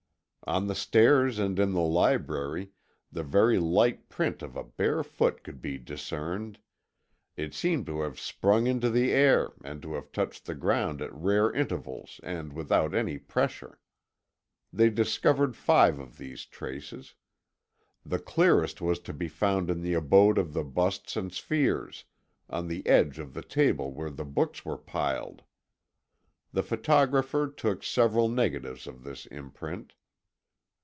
On the stairs and in the library the very light print of a bare foot could be discerned, it seemed to have sprung into the air and to have touched the ground at rare intervals and without any pressure. They discovered five of these traces. The clearest was to be found in the abode of the busts and spheres, on the edge of the table where the books were piled. The photographer took several negatives of this imprint.